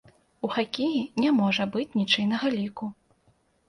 У хакеі не можа быць нічыйнага ліку.